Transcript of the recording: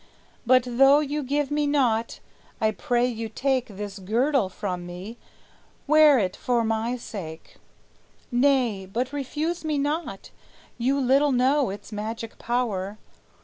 But though you give me naught, I pray you take This girdle from me; wear it for my sake; Nay, but refuse me not; you little know Its magic power.